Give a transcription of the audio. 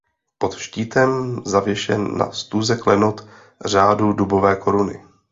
Pod štítem zavěšen na stuze klenot Řádu Dubové koruny.